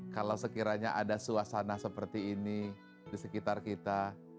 kalau sekiranya ada suasana seperti ini di sekitar kita